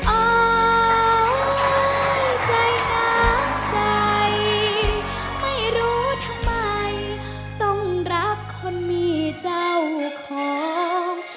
ออกใจหาใจไม่รู้ทำไมต้องรักคนมีเจ้าของ